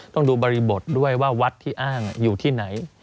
ต้องดูบริบทด้วยว่าวัดที่อ้างอยู่ที่ไหน